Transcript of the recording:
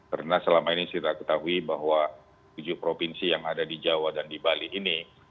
karena selama ini kita ketahui bahwa tujuh provinsi yang ada di jawa dan di bali ini